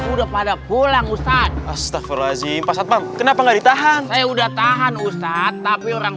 udah pada pulang ustadz astagfirullah alazim kenapa nggak ditahan udah tahan ustadz tapi orang